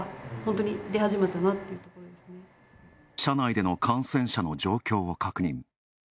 社内での感染者の状況を確認。